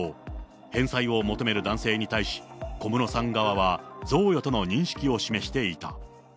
返済を求める男性に対し、小室さん側は、贈与との認識を示していた。